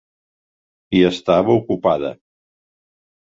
I estava ocupada.